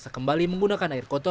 sekarang dengan ada bantuan ini gitu